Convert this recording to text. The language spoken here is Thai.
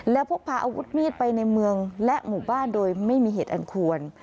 และพกพาอาวุธมีดไปในเมืองและหมู่บ้านโดยไม่มีเหตุอันควร